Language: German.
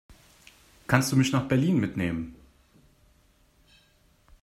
Kannst du mich nach Berlin mitnehmen?